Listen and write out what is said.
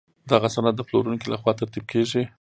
دغه سند د پلورونکي له خوا ترتیب کیږي.